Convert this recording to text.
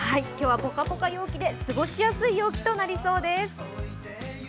今日はぽかぽか陽気で過ごしやすい陽気となりそうです。